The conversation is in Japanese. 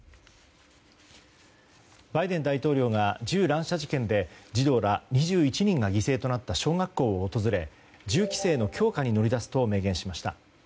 バイデン大統領が銃乱射事件で児童ら２１人が犠牲となった小学校を訪れ銃規制の強化に乗り出すと明言しました。